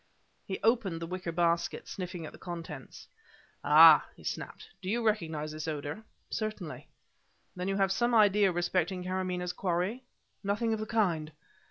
He opened the wicker basket, sniffing at the contents. "Ah!" he snapped, "do you recognize this odor?" "Certainly." "Then you have some idea respecting Karamaneh's quarry?" "Nothing of the kind!"